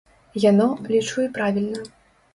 Яно, лічу і правільна.